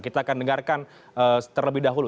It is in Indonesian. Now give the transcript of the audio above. kita akan dengarkan terlebih dahulu